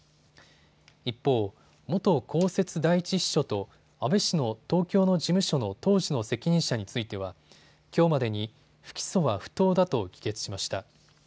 一方、元公設第１秘書と安倍氏の東京の事務所の当時の責任者についてはきょうまでに不起訴は不当だと議決しました。